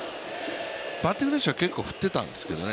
バッティング練習は結構振ってたんですけどね。